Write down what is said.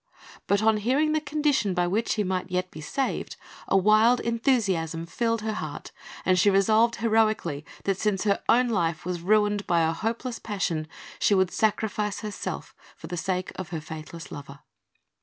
But on hearing the condition by which he might yet be saved, a wild enthusiasm filled her heart; and she resolved heroically that since her own life was ruined by a hopeless passion, she would sacrifice herself for the sake of her faithless lover.